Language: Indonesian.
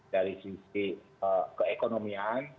dari sisi keekonomian